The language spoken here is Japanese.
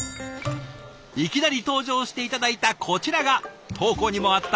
いきなり登場して頂いたこちらが投稿にもあった